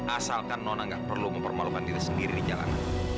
asalkan nona nggak perlu mempermalukan diri sendiri di jalan